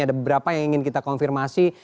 ada beberapa yang ingin kita konfirmasi